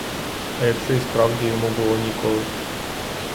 А якщо й справді йому було ніколи?